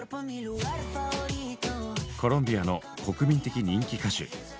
コロンビアの国民的人気歌手。